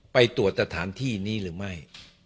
ไปตรวจสถานที่นี้หรือไม่